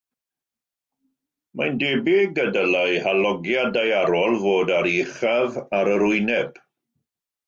Mae'n debyg y dylai halogiad daearol fod ar ei uchaf ar yr wyneb.